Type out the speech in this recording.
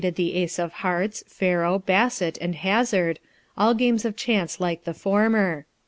3 the Ace of Hearts, Pharaoh, Basset, and Hazard, all games of chance like the former.